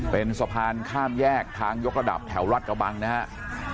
เป็นสะพานข้ามแยกทางยกระดับแถวรัฐกระบังนะครับ